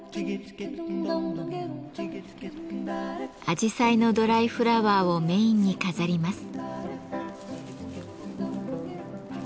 あじさいのドライフラワーをメインに飾ります。